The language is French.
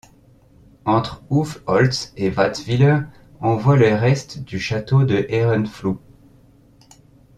Entre Uffholtz et Wattwiller, on voit les restes du château de Herrenfluh.